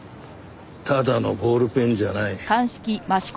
ただのボールペンじゃない。